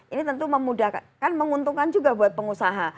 ini tentu memudahkan menguntungkan juga buat pengusaha